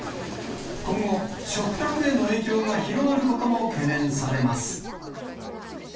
今後、食卓への影響が広がることも懸念されます。